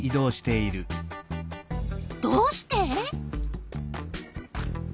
どうして？